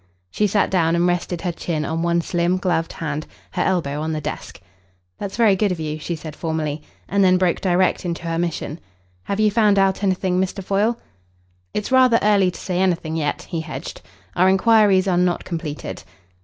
She sat down and rested her chin on one slim, gloved hand, her elbow on the desk. "That's very good of you," she said formally. And then broke direct into her mission. "Have you found out anything, Mr. Foyle?" "It's rather early to say anything yet," he hedged. "Our inquiries are not completed."